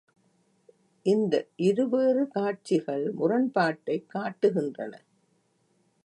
இந்த இருவேறு காட்சிகள் முரண்பாட்டைக் காட்டுகின்றன.